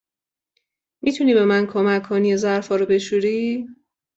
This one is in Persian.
می توانی به من کمک کنی و ظرف ها را بشویی؟